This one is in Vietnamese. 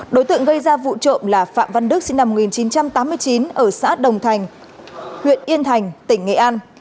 đối tượng gây ra vụ trộm là phạm văn đức sinh năm một nghìn chín trăm tám mươi chín ở xã đồng thành huyện yên thành tỉnh nghệ an